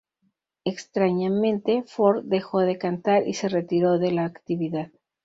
Extrañamente, Ford dejó de cantar y se retiró de la actividad.